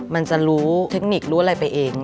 มันจะรู้เทคนิครู้อะไรไปเอง